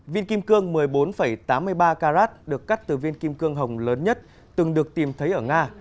viên kim cương một mươi bốn tám mươi ba carat được cắt từ viên kim cương hồng lớn nhất từng được tìm thấy ở nga